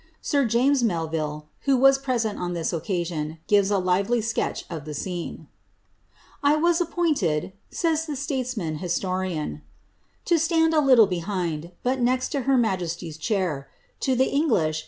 Sir James Melvilk. who was present on this occasion, gives a lively sketch of the scene. ■•[ was appijnted." savs the siaiesman hisioriaii, " to stand a liiiit behind, btil next 10 her niajesty's chair. To the English.